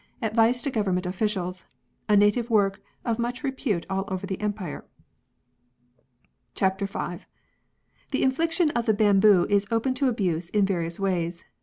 Advice to Government Officials," a native work of much repute all over the Empire :—" CHAPTER V. " The infliction of the bamboo is open to abuse in various ways.